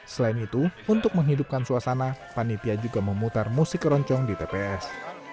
selain itu untuk menghidupkan suasana panitia juga memutar musik keroncong di tps